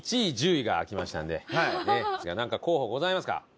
１位１０位が開きましたんでなんか候補ございますか？